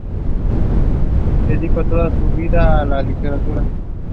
Later Capt.